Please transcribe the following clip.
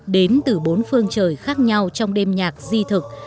đến từ bốn phương trời khác nhau trong đêm nhạc di thực